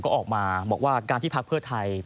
ก็ออกมาบอกว่าการที่พักเพื่อไทย